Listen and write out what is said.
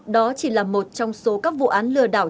đó chỉ là một trong số các vụ án lừa đảo